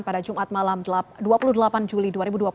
pada jumat malam dua puluh delapan juli dua ribu dua puluh